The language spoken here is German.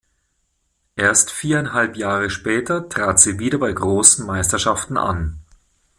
Erst viereinhalb Jahre später trat sie wieder bei großen Meisterschaften an.